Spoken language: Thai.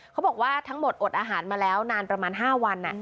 เขาบอกว่าทั้งหมดอดอาหารมาแล้วนานประมาณ๕วัน